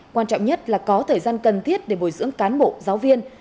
quan trọng nhất là có thời gian cần thiết để bồi dưỡng cán bộ giáo viên